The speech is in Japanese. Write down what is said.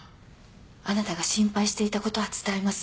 あなたが心配していたことは伝えます。